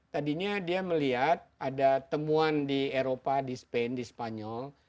tadinya dia melihat ada temuan di eropa di spain di spanyol